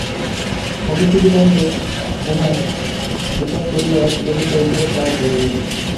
অনতিবিলম্বে কোনো ছুতা করিয়া ললিতা উঠিয়া তাহার ঘরে গেল।